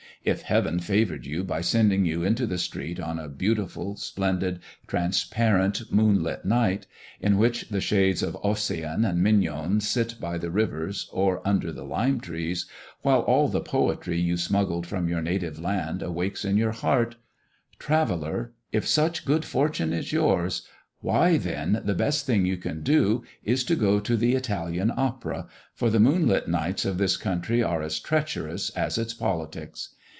If heaven favored you by sending you into the street on a beautiful, splendid, transparent, moonlit night, in which the shades of Ossian and Mignon sit by the rivers or under the limetrees, while all the poetry you smuggled from your native land awakes in your heart: traveller, if such good fortune is yours, why, then, the best thing you can do, is to go to the Italian opera, for the moonlit nights of this country are as treacherous as its politics.